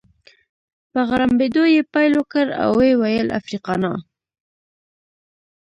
په غړمبېدو يې پیل وکړ او ويې ویل: افریقانا.